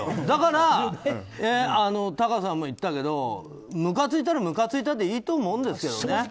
だから、タカさんも言ったけどむかついたらむかついたでいいと思うんですよね。